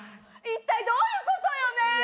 一体どういうことよねえ